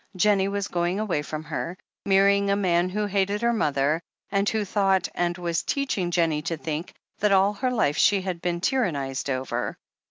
Jennie was going away from her — marrying a man who hated her mother^ and who thought, and was teaching Jennie to think, that all her life she had been tyrannizol over.